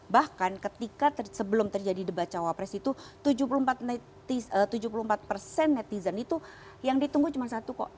bahkan ketika sebelum terjadi debat cawapres itu tujuh puluh empat persen netizen itu yang ditunggu cuma satu kok